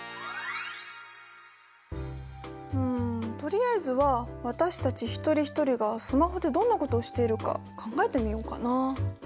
うんとりあえずは私たち一人一人がスマホでどんなことしているか考えてみようかな。